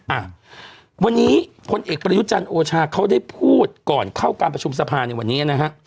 อ่ะวันนี้พลเอกประยุจันทร์โอชาเขาได้พูดก่อนเข้าการประชุมสภาในวันนี้นะฮะ